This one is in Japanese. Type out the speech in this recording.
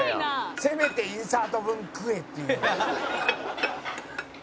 「せめてインサート分食えっていう」